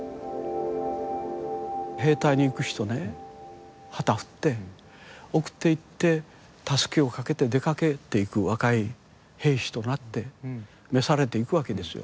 兵隊に行く人ね旗振って送っていってたすきを掛けて出かけていく若い兵士となって召されていくわけですよ。